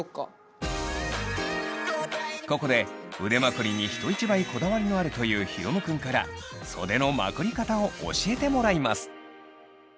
ここで腕まくりに人一倍こだわりのあるというヒロムくんから袖のまくり方を教えてもらいます。